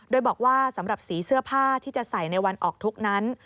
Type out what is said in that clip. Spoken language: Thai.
โดยบอกว่าสำหรับสีเสื้อผ้าที่จะใส่ในวันออกทุกข์นั้น